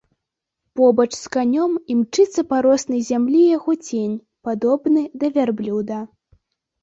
Побач з канём імчыцца па роснай зямлі яго цень, падобны да вярблюда.